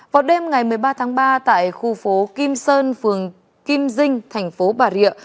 vào đêm ngày một mươi ba tháng ba tại khu phố kim sơn phường kim dinh thành phố bà rịa